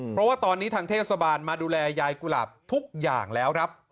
เพราะว่าตอนนี้ทางเทศบาลมาดูแลยายกุหลาบทุกอย่างแล้วครับ